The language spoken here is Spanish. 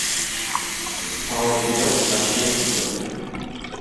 Faure-Vidot nació en Victoria.